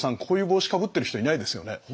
こういう帽子かぶってる人いないですよね。